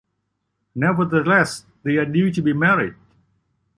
Nevertheless, they are due to be married.